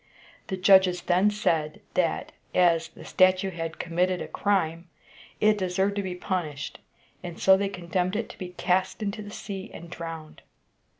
The judges then said, that, as the statue had committed a crime, it deserved to be punished, and so they condemned it to be cast into the sea and drowned.